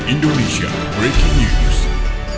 untuk membubarkan massa